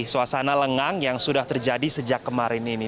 suasana lengang yang sudah terjadi sejak kemarin ini